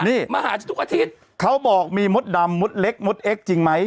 นี่มาหาฉันทุกอาทิตย์เขาบอกมีมดดำมดเล็กมดเอ็กซ์จริงไหม